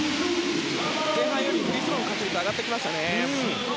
前半よりもフリースローの確率が上がってきましたね。